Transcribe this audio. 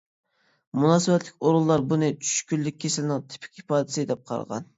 مۇناسىۋەتلىك ئورۇنلار بۇنى چۈشكۈنلۈك كېسىلىنىڭ تىپىك ئىپادىسى دەپ قارىغان.